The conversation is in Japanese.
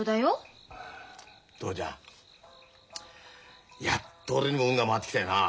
父ちゃんやっと俺にも運が回ってきたよな。